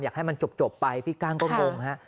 อยากให้มันจบไปพี่ก้างก้งฮะ